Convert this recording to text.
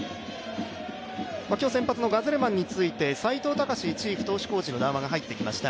今日先発のガゼルマンについて、斎藤隆チーフコーチから話が入ってきました。